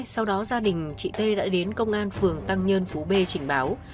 sau đó gia đình chị tê đã đến công an phường tăng nhơn phú bê trình báo